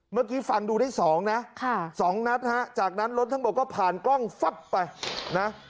เมื่อกี้ฟังดูได้๒นะ๒นัดฮะจากนั้นรถทั้งหมดก็ผ่านกล้องฟับไปนะ